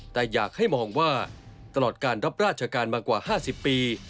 แต่อยากให้มองว่าตลอดการรับราชการมากว่า๕๐ปี